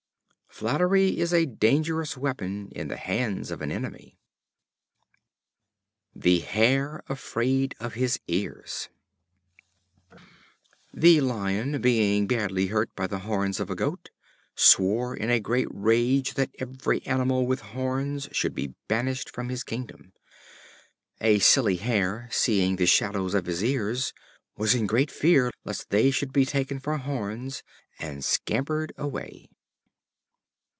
Flattery is a dangerous weapon in the hands of an enemy. The Hare afraid of his Ears. The Lion, being badly hurt by the horns of a goat, swore in a great rage that every animal with horns should be banished from his kingdom. A silly Hare, seeing the shadow of his ears, was in great fear lest they should be taken for horns, and scampered away.